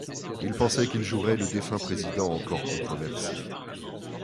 Il pensait qu'il jouerait le défunt président encore controversé.